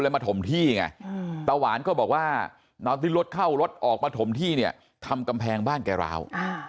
มาถมที่ไงตาหวานก็บอกว่าตอนที่รถเข้ารถออกมาถมที่เนี่ยทำกำแพงบ้านแกราว